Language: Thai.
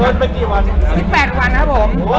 ตอนนี้กี่วันแล้ว